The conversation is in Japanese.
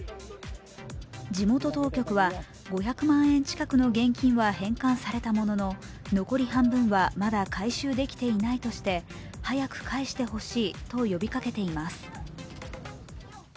地元当局は５００万円近くの現金は返還されたものの残り半分はまだ回収できていないとして早く返してほしいと呼びかけています。